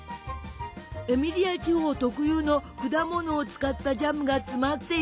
エミリア地方特有の果物を使ったジャムが詰まっているの。